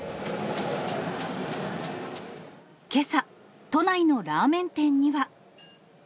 けさ、都内のラーメン店には。